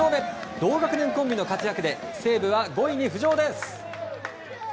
同学年コンビの活躍で西武は５位に浮上です。